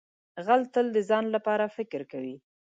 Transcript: غل تل د ځان لپاره فکر کوي